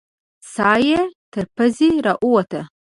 ساه یې تر پزې راووته.